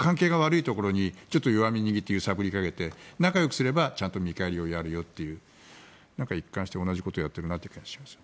関係が悪いところに弱みを握って揺さぶりをかけて仲よくすればちゃんと見返りをやるよという一貫して同じことをしている気がします。